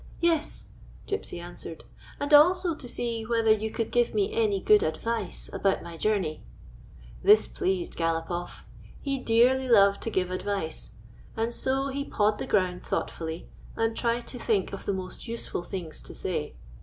"Yes," Gypsy answered, "and also to see whether you could give me any good advice about my journey." This pleased Galopoff. He dearly loved to give advice, and so he pawed the ground thought fully, and tried to think of the most useful things to say.